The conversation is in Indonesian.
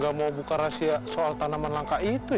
kalau aku buka rahasia soal tanaman langka itu